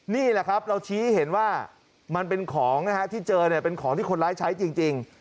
นี่แหละครับเราชี้เห็นว่ามันเป็นของนะฮะที่เจอเนี่ยเป็นของที่คนร้ายใช้จริง